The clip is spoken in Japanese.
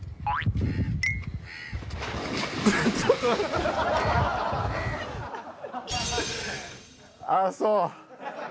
ああ、そう。